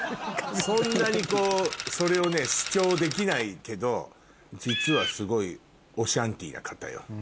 そんなにそれを主張できないけど実はすごいオシャンティーな方よ